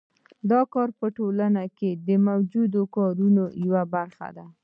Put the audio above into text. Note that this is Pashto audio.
دا کار په ټولنه کې د موجودو کارونو یوه برخه ده